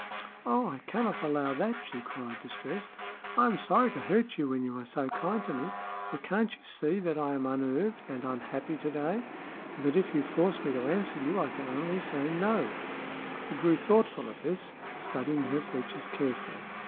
"Oh, I cannot allow that!" she cried, distressed. "I am sorry to hurt you when you are so kind to me; but can't you see that I am unnerved and unhappy to day, and that if you force me to answer you, I can only say 'no'?" He grew thoughtful at this, studying her features carefully.